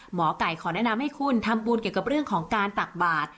หมอไก่ขอแนะนำให้คุณทำบุญเกี่ยวกับเรื่องของการตักบาท